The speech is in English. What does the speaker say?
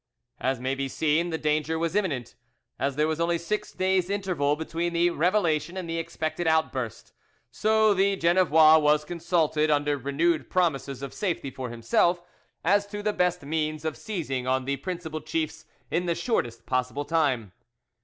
As may be seen, the danger was imminent, as there was only six days' interval between the revelation and the expected outburst; so the Genevois was consulted, under renewed promises of safety for himself, as to the best means of seizing on the principal chiefs in the shortest possible time.